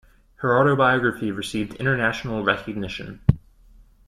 Her autobiography received international recognition.